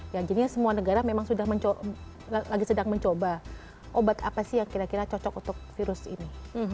ya jadinya semua negara memang sudah mencoba obat apa sih yang kira kira cocok untuk virus ini